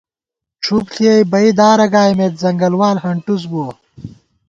ڄُھوپ ݪِیَئ بئ دارہ گائیمېت، ځنگل وال ہنٹُس بُوَہ